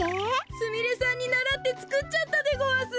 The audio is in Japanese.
すみれさんにならってつくっちゃったでごわす！